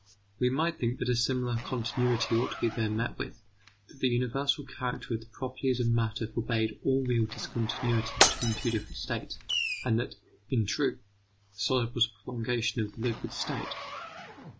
We might think that a similar continuity ought to be there met with, that the universal character of the properties of matter forbade all real discontinuity between two different states, and that, in truth, the solid was a prolongation of the liquid state.